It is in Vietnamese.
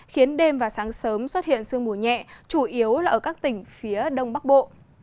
khiến đêm và sáng sớm xuất hiện sương mù nhẹ chủ yếu là ở các tỉnh phía đông bắc bộ